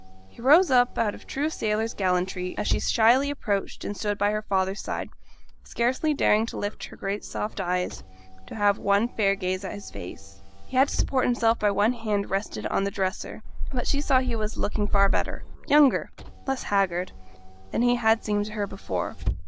He rose up out of true sailor's gallantry, as she shyly approached and stood by her father's side, scarcely daring to lift her great soft eyes, to have one fair gaze at his face. He had to support himself by one hand rested on the dresser, but she saw he was looking far better younger, less haggard than he had seemed to her before.